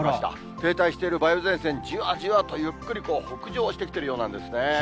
停滞している梅雨前線、じわじわとゆっくり北上してきてるようなんですね。